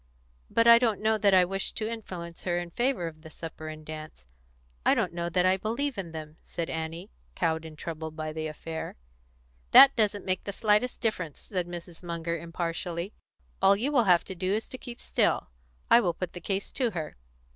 "But I don't know that I wish to influence her in favour of the supper and dance; I don't know that I believe in them," said Annie, cowed and troubled by the affair. "That doesn't make the slightest difference," said Mrs. Munger impartially. "All you will have to do is to keep still. I will put the case to her."